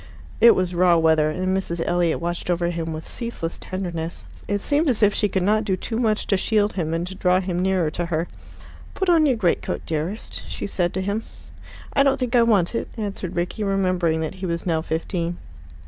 It was raw weather, and Mrs. Elliot watched over him with ceaseless tenderness. It seemed as if she could not do too much to shield him and to draw him nearer to her. "Put on your greatcoat, dearest," she said to him. "I don't think I want it," answered Rickie, remembering that he was now fifteen.